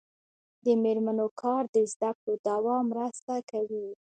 د میرمنو کار د زدکړو دوام مرسته کوي.